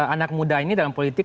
anak muda ini dalam politik